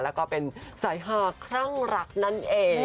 แล้วก็เป็นสายฮาคลั่งรักนั่นเอง